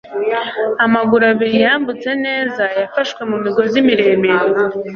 amaguru abiri yambutse neza yafashwe mumigozi miremire